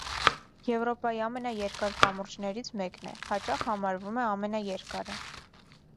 Եվրոպայի ամենաերկար կամուրջներից մեկն է (հաճախ համարվում է ամենաերկարը)։